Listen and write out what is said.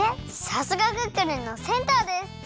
さすがクックルンのセンターです！